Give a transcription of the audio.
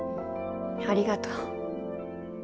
ありがとう。